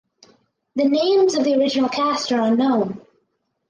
The names of the original cast are unknown.